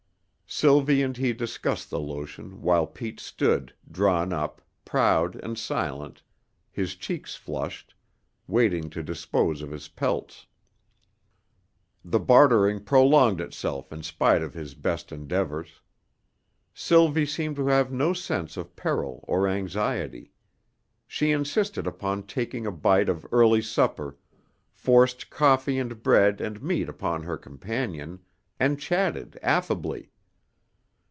Sylvie and he discussed the lotion while Pete stood, drawn up, proud and silent, his cheeks flushed, waiting to dispose of his pelts. The bartering prolonged itself in spite of his best endeavors. Sylvie seemed to have no sense of peril or anxiety. She insisted upon taking a bite of early supper, forced coffee and bread and meat upon her companion, and chatted affably.